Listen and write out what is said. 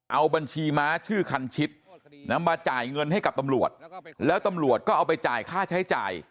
เอาบัญชีม้าชื่อคันชิดมาจ่ายเงินให้กับตำรวจแล้วตำรวจก็เอาไปจ่ายค่าใช้จ่าย